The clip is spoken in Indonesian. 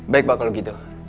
baik pak kalau gitu